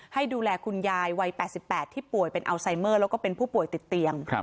ให้ดูแลคุณยายวัย๘๘ที่ป่วยเป็นอัลไซเมอร์แล้วก็เป็นผู้ป่วยติดเตียง